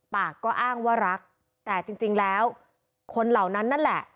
ปากก็อ้างว่ารักแต่จริงแล้วคนเหล่านั้นนั่นแหละ